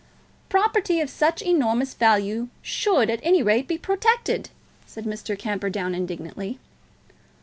"Property of such enormous value should, at any rate, be protected," said Mr. Camperdown indignantly.